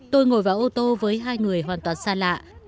tôi ngồi vào ô tô với hai người hoàn toàn xa lạ